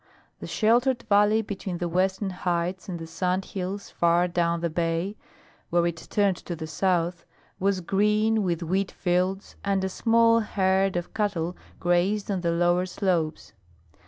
The sheltered valley between the western heights and the sand hills far down the bay where it turned to the south, was green with wheat fields, and a small herd of cattle grazed on the lower slopes.